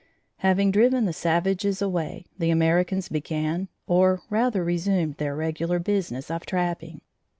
Having driven the savages away, the Americans began or rather resumed their regular business of trapping.